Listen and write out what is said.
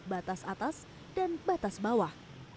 batas atas dan batas bawah